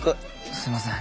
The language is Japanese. すみません。